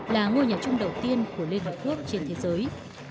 là ngôi nhà chung đầu tiên của liên hợp quốc trên thế giới